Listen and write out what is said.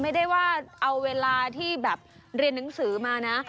ไม่ได้ว่าเอาเวลาที่แบบเรียนหนังสือมานะ